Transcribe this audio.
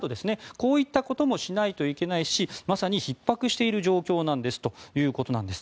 こういったこともしないといけないしまさにひっ迫している状況なんですということです。